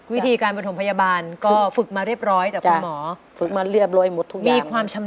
วิธีการปฐมพยาบาลก็ฝึกมาเรียบร้อยจากคุณหมอ